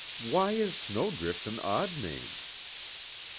Why is Snowdrift an odd name?"